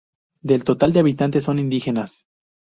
Del total de habitantes son indígenas.